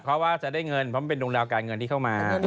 เพราะว่าจะได้เงินเพราะมันเป็นดวงดาวการเงินที่เข้ามา